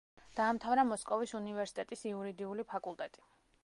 დაამთავრა მოსკოვის უნივერსიტეტის იურიდიული ფაკულტეტი.